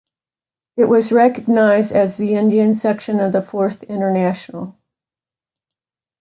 It was recognized as the Indian section of the Fourth International.